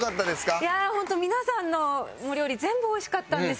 いやホント皆さんのお料理全部美味しかったんです。